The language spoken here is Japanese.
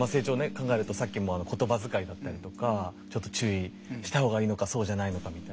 考えるとさっきも言葉遣いだったりとかちょっと注意した方がいいのかそうじゃないのかみたいな。